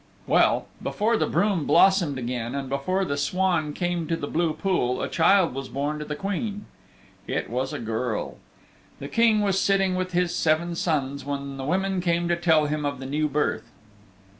Well, before the broom blossomed again and before the swan came to the blue pool, a child was born to the Queen. It was a girl. The King was sitting with his seven sons when the women came to tell him of the new birth.